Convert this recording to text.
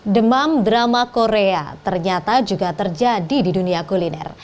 demam drama korea ternyata juga terjadi di dunia kuliner